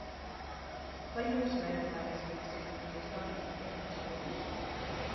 Vai jūsu veikalā ir iespējams iegādāties dabīgus ķermeņa skrubjus?